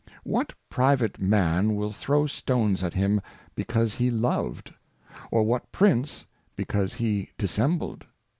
What private Man will throw Stones at him because he loved ? Or what Prince, because he dissembled